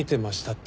って。